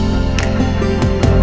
mimpi indah ya